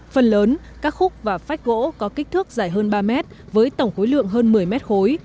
phần lớn các khúc và phách gỗ có kích thước dài hơn ba mét với tổng khối lượng hơn một mươi mét khối